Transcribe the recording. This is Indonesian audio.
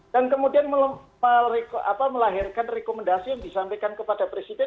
dan kemudian melahirkan rekomendasi yang disampaikan kepada presiden